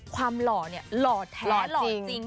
หล่อเนี่ยหล่อแท้หล่อจริง